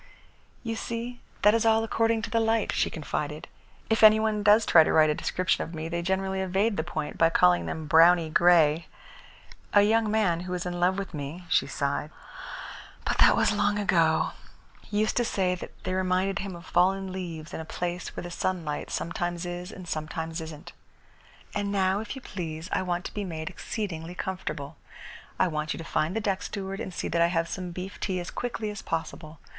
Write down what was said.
"You see, that is all according to the light," she confided. "If any one does try to write a description of me, they generally evade the point by calling them browny grey. A young man who was in love with me," she sighed, "but that was long ago, used to say that they reminded him of fallen leaves in a place where the sunlight sometimes is and sometimes isn't. And now, if you please, I want to be made exceedingly comfortable. I want you to find the deck steward and see that I have some beef tea as quickly as possible.